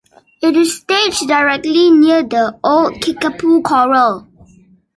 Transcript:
It is staged directly near the old Kickapoo Corral.